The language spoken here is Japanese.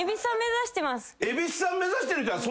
蛭子さん目指してる人は。